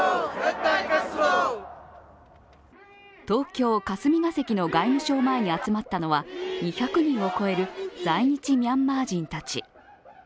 東京・霞が関の外務省前に集まったのは２００人を超える在日ミャンマー人たち。